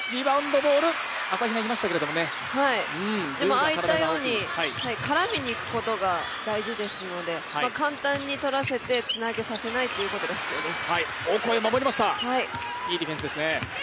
ああいったように絡みにいくことが大事ですので、簡単にとらせてつなげさせないということが必要です。